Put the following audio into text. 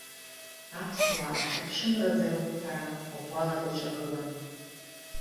Аԥсуаа ахьыԥшымразы рықәԥара ӷәӷәала даҿагылан.